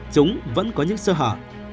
chúng vẫn có những sơ hở